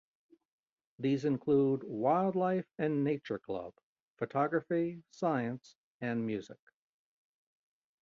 These include Wild Life and Nature Club, Photography, Science, and Music.